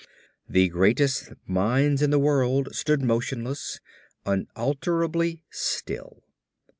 The greatest minds in the world stood motionless, unalterably still.